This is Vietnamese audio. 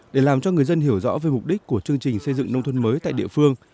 để làm cho người dân hiểu rõ về mục đích của chương trình xây dựng nông thôn mới tại địa phương